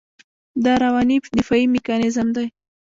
دا رواني دفاعي میکانیزم دی.